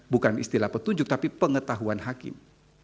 bukan istilah petunjuk tapi pengetahuan hakim